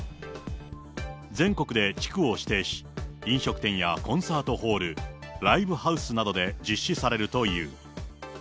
全国で地区を指定し、飲食店やコンサートホール、ライブハウスなどで、実施されるという。